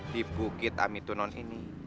di bukit amitonon ini